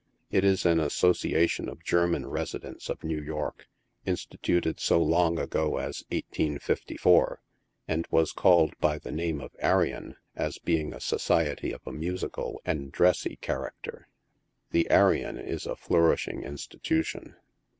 It is an association of German residents of New York, instituted so long ago as 1854, and was called by the name of Arion, as being a so ciety of a musical and dressy character. The Arion is a nourishing institution.